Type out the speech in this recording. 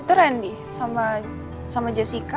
itu randy sama jessica